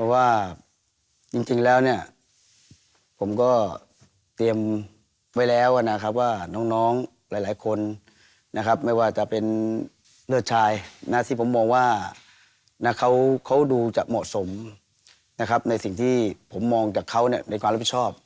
กะหัดไว้นะเพราะว่าจริงแล้วผมก็เตรียมไว้แล้วนะครับว่าน้องหลายคนไม่ว่าจะเป็นเลือดชายทีผมมองว่าเขาดูจะเหมาะสมในสิ่งที่ผมมองจากเขาในความรับผิดชอบ